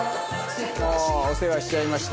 もうお世話しちゃいました。